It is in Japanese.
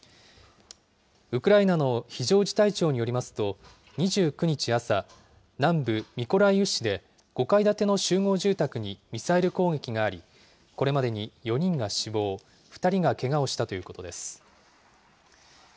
ウクライナの非常事態庁によりますと、２９日朝、南部ミコライウ市で５階建ての集合住宅にミサイル攻撃があり、これまでに４人が死亡、２人がけがをしたということです。